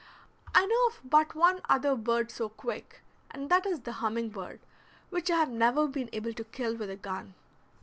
I know of but one other bird so quick, and that is the humming bird, which I have never been able to kill with a gun.